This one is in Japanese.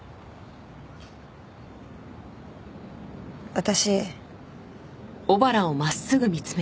私。